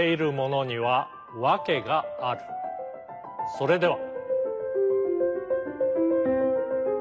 それでは。